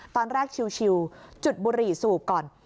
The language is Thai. ตอนแรกชิวจุดบุหรี่สูบก่อน